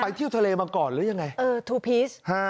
เที่ยวทะเลมาก่อนหรือยังไงเออทูพีช